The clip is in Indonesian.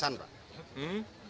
satu kata untuk supabumi pak